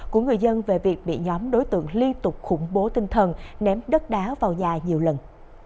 của người dân về việc bị nhóm đối tượng liên tục khủng bố tinh thần ném đất đá vào nhà nhiều lần